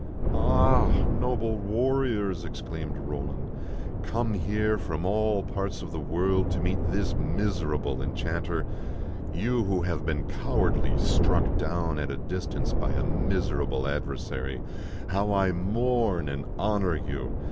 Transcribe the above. " Ah ! noble warriors," exclaimed Roland, " come here from all parts of the world to meet this miserable enchanter, you who have been cowardly struck down at a distance by a miser able adversary, how I mourn and honor you!